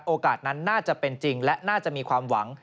โอกาสนั้นน่าจะเป็นจริงและน่าจะมีความหวัง